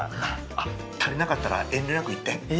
あっ足りなかったら遠慮なく言って。